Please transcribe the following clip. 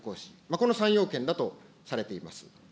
この３要件だとされています。